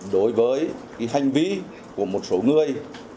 đối với cái hành vi của một số người